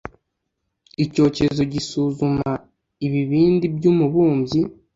icyokezo gisuzuma ibibindi by'umubumbyi